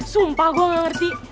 sumpah gue ga ngerti